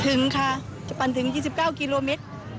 ถึงค่ะจะปั่นถึง๒๙กิโลเมตร